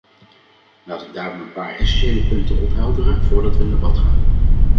Laat ik daarom een paar essentiële punten ophelderen voordat we in debat gaan.